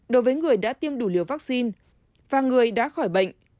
đối với người đã tiêm đủ liều vaccine và người đã khỏi bệnh